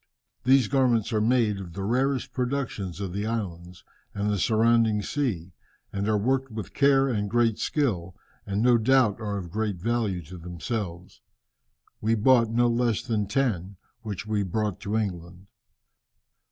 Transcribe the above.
"These garments are made of the rarest productions of the islands and the surrounding sea, and are worked with care and great skill, and no doubt are of great value to themselves. We bought no less than ten, which we brought to England."